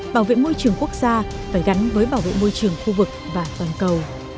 bảo vệ môi trường quốc gia phải gắn với bảo vệ môi trường khu vực và toàn cầu